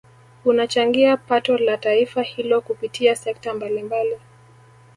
Unachangia pato la taifa hilo kupitia sekta mbalimbali